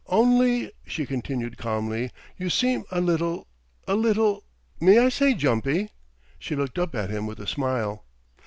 "Only," she continued calmly, "you seem a little a little may I say jumpy?" She looked up at him with a smile.